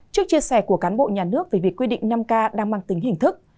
trước chia sẻ của cán bộ nhà nước về việc quy định năm k đang mang tính hình thức